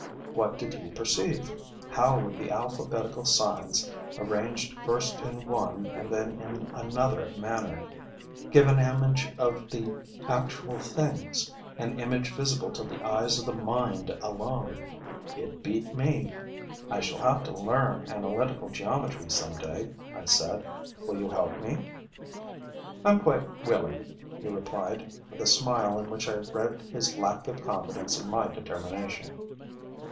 What did he perceive? How would the alphabetical signs, arranged first in one and then in another manner, give an image of the actual things, an image visible to the eyes of the mind alone? It beat me. 'I shall have to learn analytical geometry some day,' I said. 'Will you help me?' 'I'm quite willing,' he replied, with a smile in which I read his lack of confidence in my determination.